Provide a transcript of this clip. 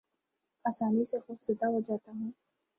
آسانی سے خوف زدہ ہو جاتا ہوں